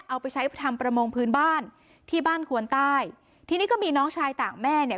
เอาไปใช้ทำประมงพื้นบ้านที่บ้านควนใต้ทีนี้ก็มีน้องชายต่างแม่เนี่ย